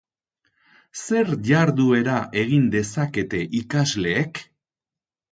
Zer jarduera egin dezakete ikasleek?